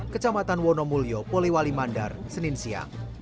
kecamatan wonomulyo polewali mandar senin siang